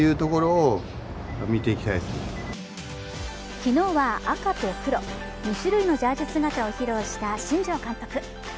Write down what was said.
昨日は赤と黒、２種類のジャージ姿を披露した新庄監督。